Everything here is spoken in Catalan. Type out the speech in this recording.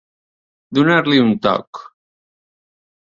Donar-li un toc.